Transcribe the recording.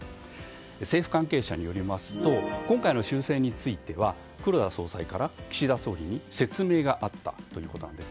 政府関係者によりますと今回の修正については黒田総裁から岸田総理に説明があったということです。